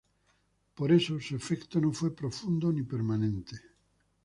Por eso, su efecto no fue profundo ni permanente.